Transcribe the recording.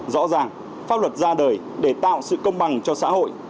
rõ ràng pháp luật ra đời để tạo sự công bằng cho xã hội